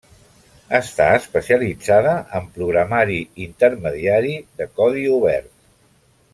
Està especialitzada en programari intermediari de codi obert.